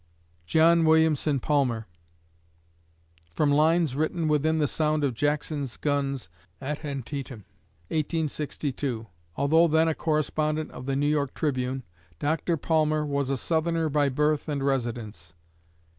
JOHN WILLIAMSON PALMER [From lines written within the sound of Jackson's guns at Antietam, 1862. Although then a correspondent of the New York Tribune, Dr. Palmer was a Southerner by birth and residence.